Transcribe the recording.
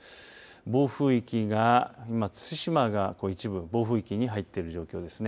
暴風域が今、対馬が一部暴風域に入っている状況ですね。